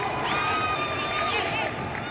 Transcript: หลับหลับ